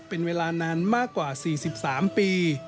เป็นเวลานานมากกว่า๔๓ปี